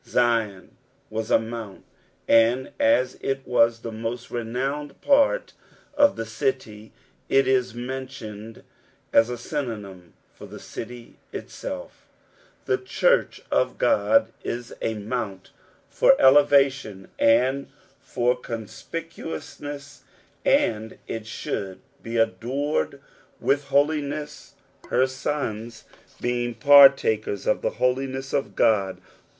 Zion was a mount, and as it was the most renowned part of the city, it is mentjooed ■s a synonym for the city itself. The church of God is a mount for eievaUon and for conspicuousncss, and it should be adorned with hoUueas, lier sona being PSALM THB yOETT BIQHTH. 403 partaken of the holiness of God.